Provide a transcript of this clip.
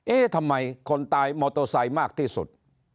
เอ๊ะทำไมคนตายมอเตอร์ไซค์มากที่สุด